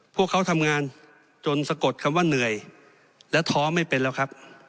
พวกเขาทำงานจนสะกดคำว่าเหนื่อยและท้อไม่เป็นแล้วครับ